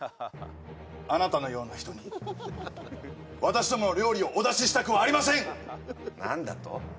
あなたのような人に私どもの料理をお出ししたくはありません何だと？